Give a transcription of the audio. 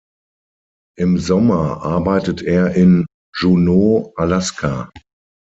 Im Sommer arbeitet er in Juneau, Alaska.